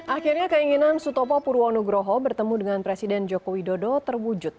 akhirnya keinginan sutopo purwono groho bertemu dengan presiden jokowi dodo terwujud